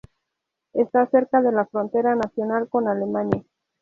Está cerca de la frontera nacional con Alemania.